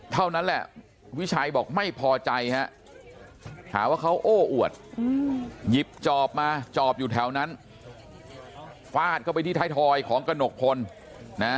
เท่านั้นแหละวิชัยบอกไม่พอใจฮะหาว่าเขาโอ้อวดหยิบจอบมาจอบอยู่แถวนั้นฟาดเข้าไปที่ท้ายทอยของกระหนกพลนะ